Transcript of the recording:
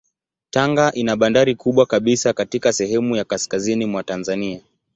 Tanga ina bandari kubwa kabisa katika sehemu ya kaskazini mwa Tanzania.